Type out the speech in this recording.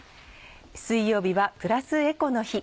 水曜日はプラスエコの日。